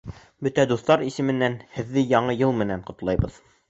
Бөтә дуҫтар исеменән Һеҙҙе Яңы йыл менән ҡотлайым!